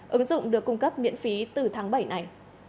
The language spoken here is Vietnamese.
ứng dụng được cung cấp miễn phí từ tháng bảy này